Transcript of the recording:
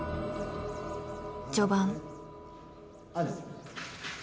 序盤。